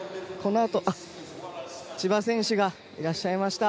千葉選手がいらっしゃいました。